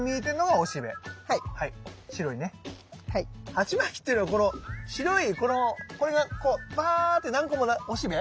ハチマキっていうのこの白いこれがこうパーッて何個もおしべ？